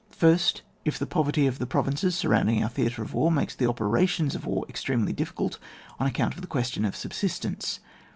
First. — If the poverty of the provinces surrounding our theatre of war, makes the operations of war extremely di£B.cult on account of the question of subsistence.